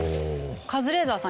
カズレーザーさん